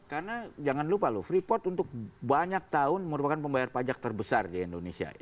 karena jangan lupa loh freeport untuk banyak tahun merupakan pembayar pajak terbesar di indonesia